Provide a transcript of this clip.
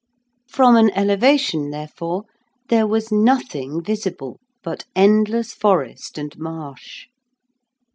From an elevation, therefore, there was nothing visible but endless forest and marsh.